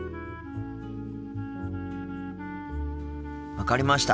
分かりました。